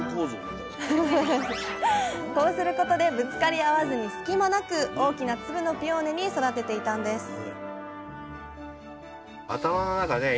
こうすることでぶつかり合わずに隙間なく大きな粒のピオーネに育てていたんですわお！